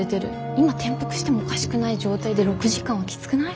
今転覆してもおかしくない状態で６時間はきつくない？